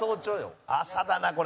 朝だな、これ。